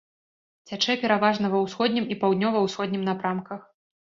Цячэ пераважна ва ўсходнім і паўднёва-ўсходнім напрамках.